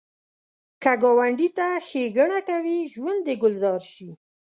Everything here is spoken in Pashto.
که ګاونډي ته ښیګڼه کوې، ژوند دې ګلزار شي